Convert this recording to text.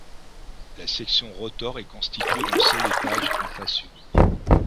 La section rotor est constituée d'un seul étage à face unique.